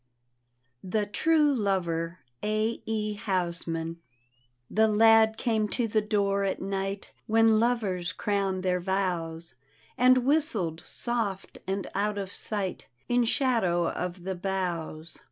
THE TRUE LOVER : a. b. housman The lad came to the dooi at night. When lovers crown their vows, And whistled soft and out of sight In shadow of the boughs.